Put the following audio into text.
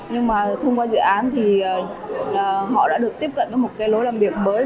nhưng mà thông qua dự án thì họ đã được tiếp cận với một cái lối làm việc mới